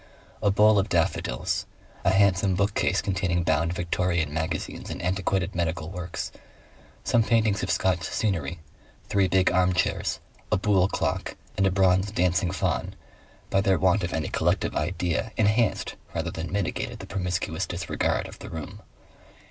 A bowl of daffodils, a handsome bookcase containing bound Victorian magazines and antiquated medical works, some paintings of Scotch scenery, three big armchairs, a buhl clock, and a bronze Dancing Faun, by their want of any collective idea enhanced rather than mitigated the promiscuous disregard of the room.